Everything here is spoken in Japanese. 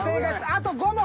あと５問。